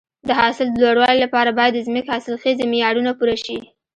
د حاصل د لوړوالي لپاره باید د ځمکې حاصلخیزي معیارونه پوره شي.